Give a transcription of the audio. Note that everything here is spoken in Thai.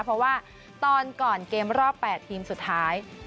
เพราะว่าตอนก่อนเกมรอบ๘ทีมสุดท้าย